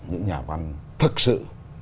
những nhà bán thật sự